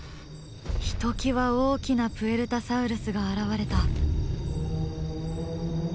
ひときわ大きなプエルタサウルスが現れた。